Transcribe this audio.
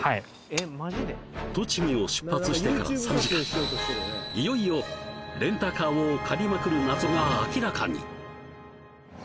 栃木を出発してから３時間いよいよレンタカーを借りまくる謎が明らかに！